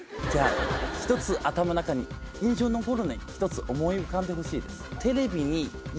１つ頭の中に印象に残るの思い浮かんでほしいです。